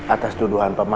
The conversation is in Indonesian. atas tuduhan pemalas